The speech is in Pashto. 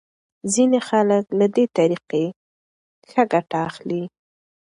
ځینې خلک له دې طریقې ښه ګټه اخلي.